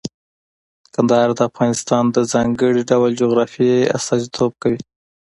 کندهار د افغانستان د ځانګړي ډول جغرافیه استازیتوب کوي.